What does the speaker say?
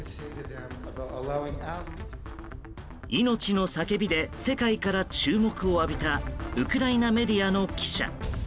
命の叫びで世界から注目を浴びたウクライナメディアの記者。